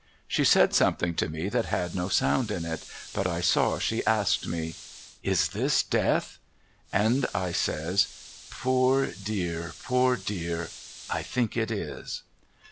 She said somctliing to me that had no sound in it, but I saw she asked me :' Is this death ?' And I says :' Poor dear poor dear, I think it is.'